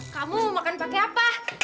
kamu makan pakai apa